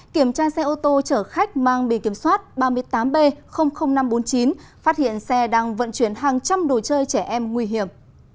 kiểm tra xe ô tô chở khách mang bì kiểm soát ba mươi tám b năm trăm bốn mươi chín phát hiện xe đang vận chuyển hàng trăm đồ chơi trẻ em nguy hiểm